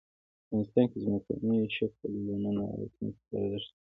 افغانستان کې ځمکنی شکل د نن او راتلونکي لپاره ارزښت لري.